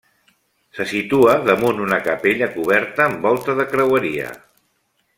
Se situa damunt una capella coberta amb volta de creueria.